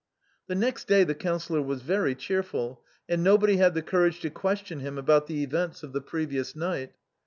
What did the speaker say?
The next day the Councillor was very cheerful, and nobody had the courage to question him about the events of the previous night.